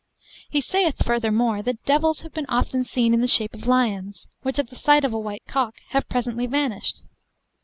He saith, furthermore, that devils have been often seen in the shape of lions, which at the sight of a white cock have presently vanished.